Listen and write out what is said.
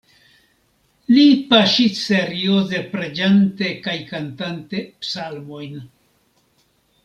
Li paŝis serioze preĝante kaj kantante psalmojn.